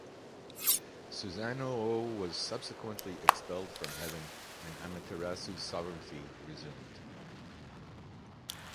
Susano-o was subsequently expelled from heaven and Amaterasu's sovereignty resumed.